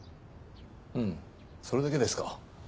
それだけですか？